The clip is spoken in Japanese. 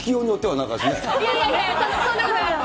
いやいやいや、とんでもないです。